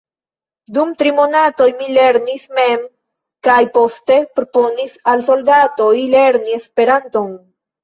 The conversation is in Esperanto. Dum tri monatoj mi lernis mem kaj poste proponis al soldatoj lerni Esperanton.